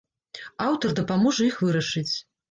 Аўтар дапаможа іх вырашыць.